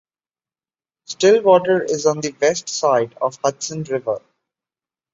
Stillwater is on the west side of the Hudson River.